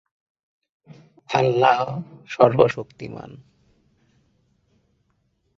উদাহরণস্বরূপ, হাইড্রোজেন কেবল হাইড্রোজেন অণু হিসাবে বিদ্যমান।